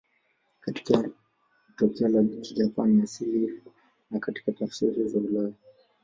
Katika toleo la Kijapani asili na katika tafsiri za ulaya.